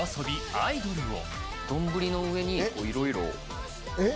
「アイドル」を。